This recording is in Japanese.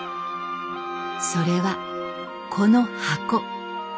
それはこの箱。